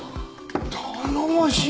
頼もしい。